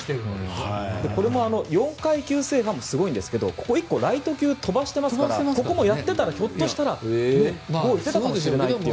４階級制覇もすごいんですがライト級を１つ飛ばしてますからここもやっていたらひょっとしたら５階級行っていたかもしれないという。